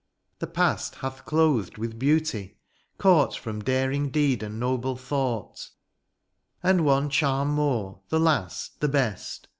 The past hath clothed with beauty, caught From daring deed and noble thought ; And one charm more, the last, the best.